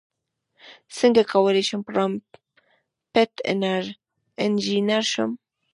څنګه کولی شم پرامپټ انژینر شم